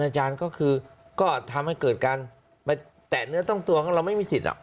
อาจารย์ก็คือก็ทำให้เกิดการไปแตะเนื้อต้องตัวของเราไม่มีสิทธิ์